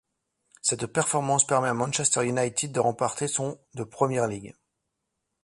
Cette performance permet à Manchester United de remporter son de Premier League.